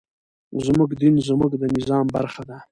زموږ دين زموږ د نظام برخه ده.